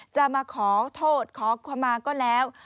จะมาขอโทษขอขมาก็แล้ว